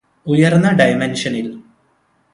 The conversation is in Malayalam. ഉയർന്ന ഡയമൻഷനിൽ